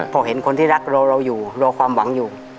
พอเห็นคนที่รักเราอยู่รอความหวังอยู่